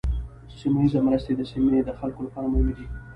سیمه ایزه مرستې د سیمې د خلکو لپاره مهمې دي.